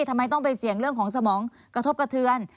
ทำไมต้องไปเสี่ยงเรื่องของสมองกระทบกระเทือน